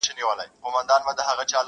او پای يې خلاص پاتې کيږي تل.